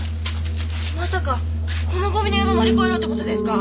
まさかこのゴミの山乗り越えろって事ですか？